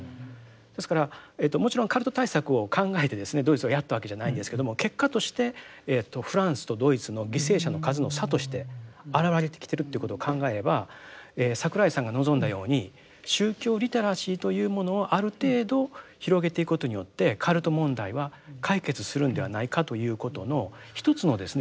ですからもちろんカルト対策を考えてですねドイツはやったわけじゃないんですけども結果としてフランスとドイツの犠牲者の数の差として表れてきてるということを考えれば櫻井さんが望んだように宗教リテラシーというものをある程度広げていくことによってカルト問題は解決するんではないかということの一つのですね